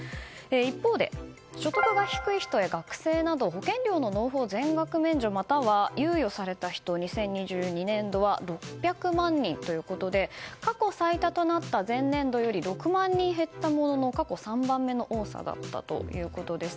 一方で、所得や低い人や学生など年金の納付を全額免除または猶予された人２０２２年度は６０６万人ということで過去最多となった前年度より６万人減ったものの過去３番目の多さだったということです。